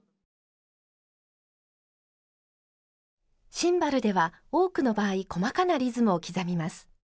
シンバルでは多くの場合細かなリズムを刻みます。